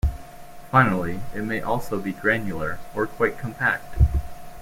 Finally, it may also be granular or quite compact.